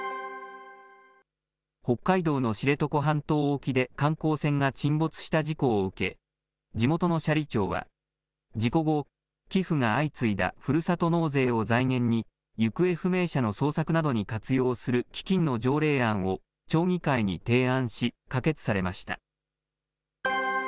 北海道の知床半島沖で観光船が沈没した事故を受け、地元の斜里町は、事故後、寄付が相次いだふるさと納税を財源に、行方不明者の捜索などに活用する基金の条例案を、町議会に提案し、可決されました。